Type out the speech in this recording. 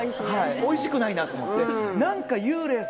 おいしくないなと思って。